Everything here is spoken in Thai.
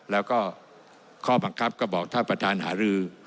แล้วก็ข้อบังคับก็บอกท่านประธานหารือ